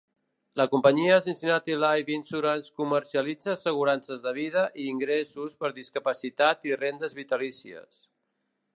La companyia Cincinnati Life Insurance comercialitza assegurances de vida i ingressos per discapacitat i rendes vitalícies.